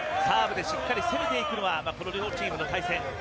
サーブでしっかり攻めていくのは両チームの対戦。